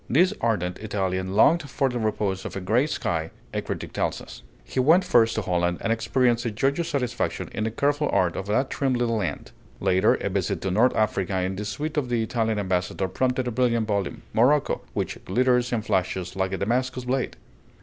This ardent Italian longed for the repose of "a gray sky," a critic tells us. He went first to Holland, and experienced a joyous satisfaction in the careful art of that trim little land. Later, a visit to North Africa in the suite of the Italian ambassador prompted a brilliant volume, "Morocco," "which glitters and flashes like a Damascus blade."